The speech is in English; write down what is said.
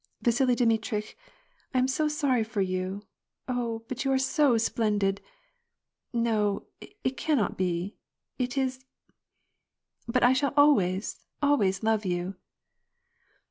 "" Vasili Dmitritch, I am so sorry for you. Oh ! but you are so splendid. No, it cannot be ; it is — but I shall always, always love you."